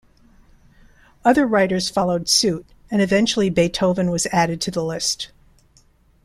Other writers followed suit and eventually Beethoven was added to the list.